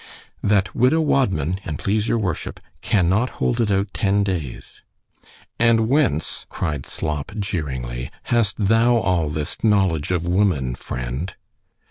That widow Wadman, an' please your worship, cannot hold it out ten days—— And whence, cried Slop, jeeringly, hast thou all this knowledge of woman, friend?